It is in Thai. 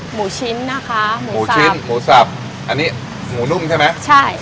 หมูชิ้นนะคะหมูับหมูนุ่มใช่ไหมใช่